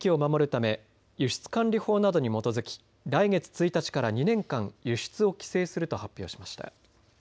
ため輸出管理法などに基づき来月１日から２年間、輸出を規制すると発表しました。